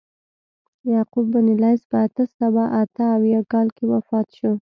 یعقوب بن لیث په اته سوه اته اویا کال کې وفات شو.